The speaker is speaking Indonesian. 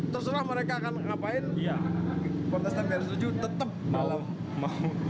terserah mereka akan ngapain kontestan pr tujuh tetap malah mau